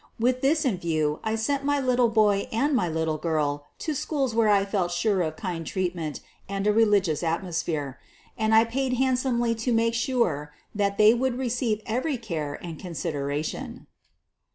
With this in view I sent my little boy and my little girl to schools where I felt sure of kind treatment and a religious atmosphere. And I paid handsomely to make sure that they would receive every care and consideration.